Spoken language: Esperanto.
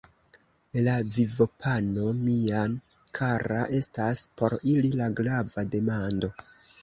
La vivopano, mia kara, estas por ili la grava demando.